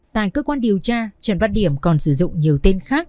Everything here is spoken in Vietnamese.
tại cơ quan điều tra trần văn điểm còn sử dụng nhiều tên khác